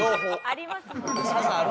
ありますもんね。